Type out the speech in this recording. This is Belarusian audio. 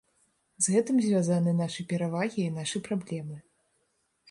З гэтым звязаны нашы перавагі і нашы праблемы.